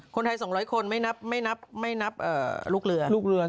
คนไทย๒๐๐๐๐๐คนไม่นับลูกเรือ